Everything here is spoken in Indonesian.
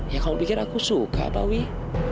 ya kamu pikir aku suka pa wih